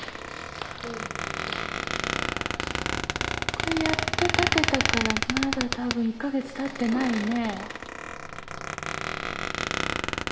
これやっと立てたからまだ多分１か月たってないね。